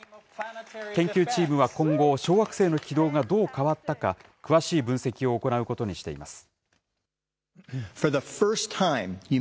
研究チームは今後、小惑星の軌道がどう変わったか、詳しい分析を行うことにしています。